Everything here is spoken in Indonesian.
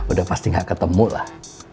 udah pasti gak ketemu lah